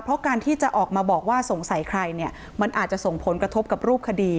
เพราะการที่จะออกมาบอกว่าสงสัยใครเนี่ยมันอาจจะส่งผลกระทบกับรูปคดี